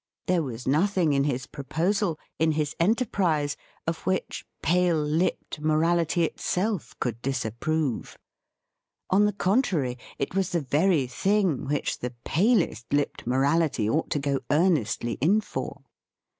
There was nothing in his proposal, in his enterprise, of which pale lipped morality itself could dis approve. On the contrary, it was the very thing which the palest lipped morality ought to go earnestly in for.